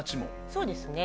そうですね。